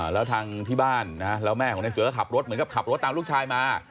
แล้วทางที่บ้านแล้วแม่ของในเสือก็ขับรถเหมือนกับขับรถตามลูกชายมา